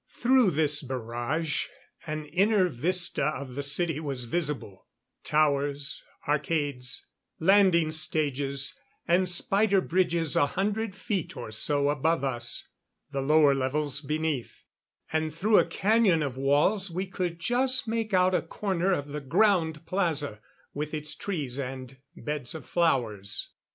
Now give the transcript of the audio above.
Through this barrage an inner vista of the city was visible; towers, arcades, landing stages and spider bridges a hundred feet or so above us; the lower levels beneath, and through a canyon of walls we could just make out a corner of the ground plaza, with its trees and beds of flowers.